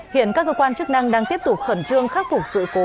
hiện các cơ quan chức năng đang tiếp tục khẩn trương khắc phục sự cố